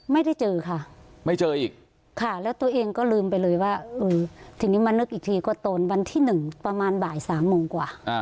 ไม่ได้เจอค่ะไม่เจออีกค่ะแล้วตัวเองก็ลืมไปเลยว่าทีนี้มานึกอีกทีก็ตอนวันที่๑ประมาณบ่ายสามโมงกว่า